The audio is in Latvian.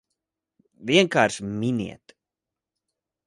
Vienkārši miniet!